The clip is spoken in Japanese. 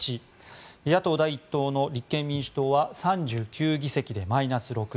野党第１党の立憲民主党は３９議席でマイナス６。